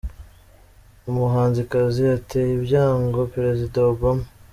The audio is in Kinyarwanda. Umuhanzikazi ateje ibyago Perezida Obama